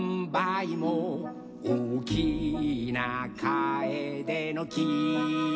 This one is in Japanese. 「おおきなカエデの木」